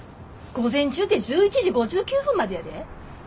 午前中て１１時５９分までやで。